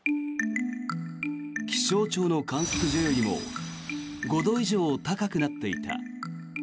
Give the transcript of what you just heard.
気象庁の観測所よりも５度以上高くなっていた。